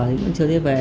thì cũng chưa đi về